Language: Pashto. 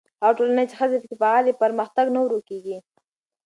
هغه ټولنه چې ښځې پکې فعاله وي، پرمختګ نه ورو کېږي.